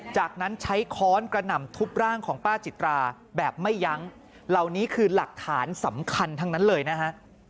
จากนั้นใช้ค้อนกระหน่ำทุบร่างของป้าจิตราแบบไม่ยั้งเหล่านี้คือหลักฐานสำคัญทั้งนั้นเลยนะฮะ